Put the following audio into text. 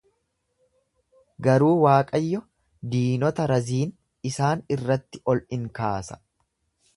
Garuu Waaqayyo diinota Raziin isaan irratti ol in kaasa.